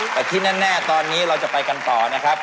อ๋อโอ้โฮแล้วที่แน่ตอนนี้เราจะไปกันต่อนะครับ